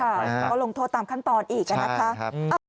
เขาลงโทรตามขั้นตอนอีกนะครับ